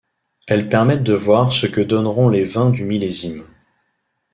Elle permet de voir ce que donneront les vins du millésime.